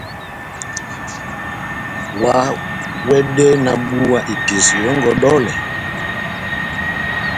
Oháwɛdɛhɛ nahábuwa episeyo yɔngɔ ó dɔlɛ !